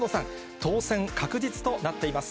当選確実となっています。